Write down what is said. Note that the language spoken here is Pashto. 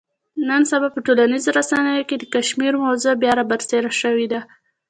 نن سبا په ټولنیزو رسنیو کې د کشمیر موضوع بیا را برسېره شوې ده.